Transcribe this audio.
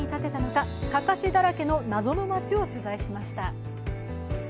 かかしだらけの謎の町を取材しました。